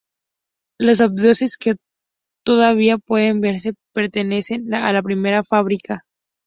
Los ábsides que todavía pueden verse pertenecen a la primera fábrica.